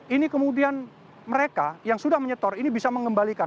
ini kemudian mereka yang sudah menyetor ini bisa mengembalikan